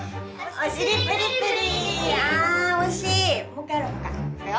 おしりプリプリ！